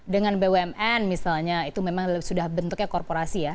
dengan bumn misalnya itu memang sudah bentuknya korporasi ya